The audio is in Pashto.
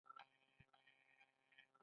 غوره ده چې ورسره روان شو.